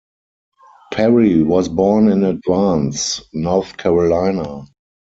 Perry was born in Advance, North Carolina.